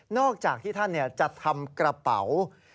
อกจากที่ท่านจะทำกระเป๋า